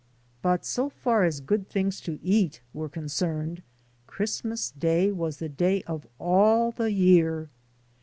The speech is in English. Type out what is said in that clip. But so far as good things to eat were concerned, Christmas Day was the day of all the year.